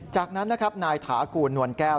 จากนั้นนะครับนายถากูลนวลแก้ว